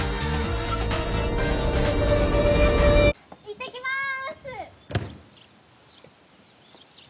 いってきまーす！